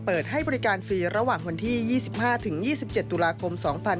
เปิดให้บริการฟรีระหว่างวันที่๒๕๒๗ตุลาคม๒๕๖๒